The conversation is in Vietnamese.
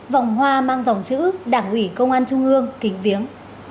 vòng hoa mang dòng chữ đảng ủy công an trung ương kính viếng